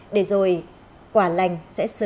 để rồi quả lành sẽ sở hữu